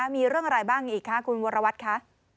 มีเรื่องอะไรบ้างอีกคะคุณวรวัตรคะ